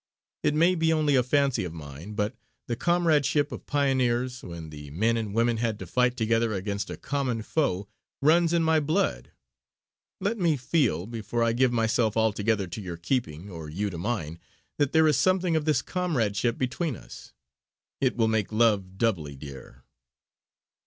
It may be only a fancy of mine, but the comradeship of pioneers, when the men and women had to fight together against a common foe, runs in my blood! Let me feel, before I give myself altogether to your keeping, or you to mine, that there is something of this comradeship between us; it will make love doubly dear!"